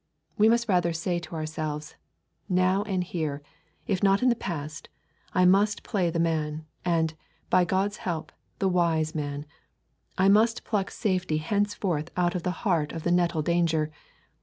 We must rather say to ourselves, Now and here, if not in the past, I must play the man, and, by God's help, the wise man. I must pluck safety henceforth out of the heart of the nettle danger.